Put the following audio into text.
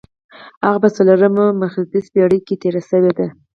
هغه په څلورمه مخزېږدي پېړۍ کې تېر شوی دی.